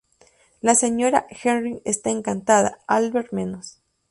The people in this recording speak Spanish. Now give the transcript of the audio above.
La señora Herring está encantada, Albert menos.